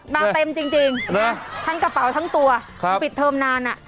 มาเต็มจริงนะทั้งกระเป๋าทั้งตัวปิดเทอมนานอ่ะ